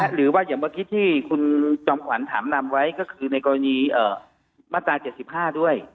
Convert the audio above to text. หรือว่าอย่างเมื่อกี้ที่คุณจอมขวัญถามนำไว้ก็คือในกรณีมาตรา๗๕ด้วย